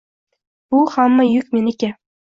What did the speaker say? Bu hamma yuk meniki.